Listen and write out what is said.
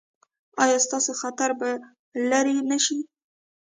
ایا ستاسو خطر به لرې نه شي؟